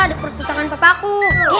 ada perpustakaan papaku